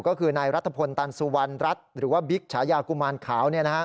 ก็คือนายรัฐพลตันสุวรรณรัฐหรือว่าบิ๊กฉายากุมารขาว